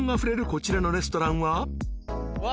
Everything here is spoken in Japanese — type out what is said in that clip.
こちらのレストランは］